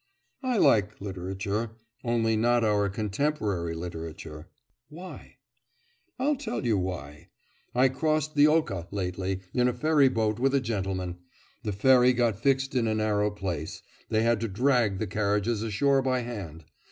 'I like literature, only not our contemporary literature.' 'Why?' 'I'll tell you why. I crossed the Oka lately in a ferry boat with a gentleman. The ferry got fixed in a narrow place; they had to drag the carriages ashore by hand.